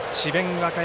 和歌山